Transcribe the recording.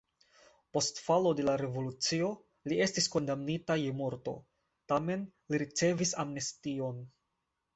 Post falo de la revolucio li estis kondamnita je morto, tamen li ricevis amnestion.